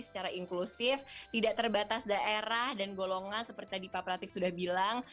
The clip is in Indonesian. secara inklusif tidak terbatas daerah dan golongan seperti tadi pak pratik sudah bilang